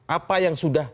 apa yang sudah